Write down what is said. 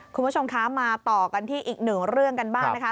คุณผู้ชมคะมาต่อกันที่อีกหนึ่งเรื่องกันบ้างนะคะ